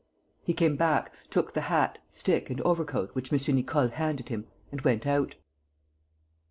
He came back, took the hat, stick and overcoat which M. Nicole handed him and went out.